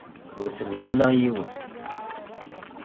Ur selleɣ ula i yiwen.